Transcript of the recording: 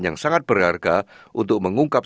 yang sangat berharga untuk mengungkap